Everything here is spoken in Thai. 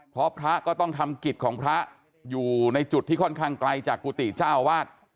เพราะพระก็ต้องทำกิจของพระอยู่ในจุดที่ค่อนข้างไกลจากกุฏิเจ้าอาวาส